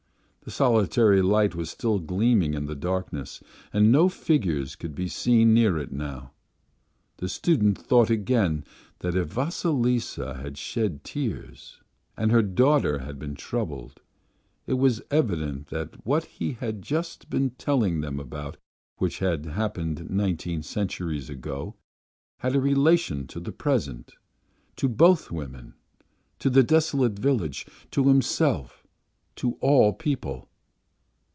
The solitary light was still gleaming in the darkness and no figures could be seen near it now. The student thought again that if Vasilisa had shed tears, and her daughter had been troubled, it was evident that what he had just been telling them about, which had happened nineteen centuries ago, had a relation to the present to both women, to the desolate village, to himself, to all people.